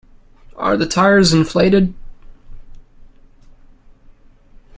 Are the tyres inflated?